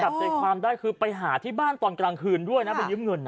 จับใจความได้คือไปหาที่บ้านตอนกลางคืนด้วยนะไปยืมเงิน